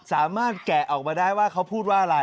แกะออกมาได้ว่าเขาพูดว่าอะไร